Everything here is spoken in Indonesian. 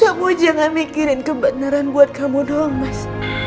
kamu jangan mikirin kebenaran buat kamu doang mas